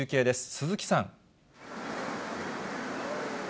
鈴木さん。